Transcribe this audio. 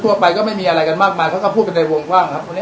ถ้าคล้ายก็ไม่มีอะไรกันมากมายเขาพูดเป็นใดวงว่างครับ